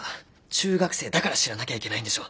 中学生だから知らなきゃいけないんでしょ。